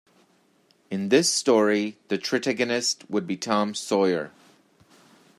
In this story the tritagonist would be Tom Sawyer.